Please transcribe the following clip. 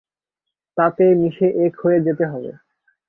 তাঁতে মিশে এক হয়ে যেতে হবে।